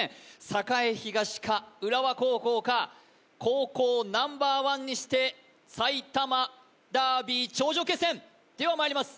栄東か浦和高校か高校Ｎｏ．１にして埼玉ダービー頂上決戦ではまいります